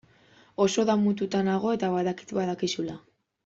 Oso damututa nago eta badakit badakizula.